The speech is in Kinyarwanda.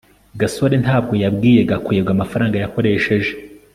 gasore ntabwo yabwiye gakwego amafaranga yakoresheje